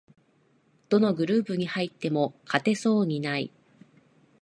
どのグループに入っても勝てそうにない